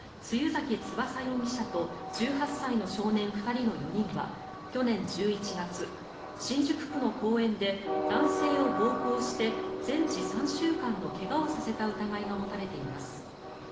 露崎翼容疑者と１８歳少年２人の４人は去年１１月新宿区の公園で男性を暴行して全治３週間の怪我をさせた疑いが持たれています。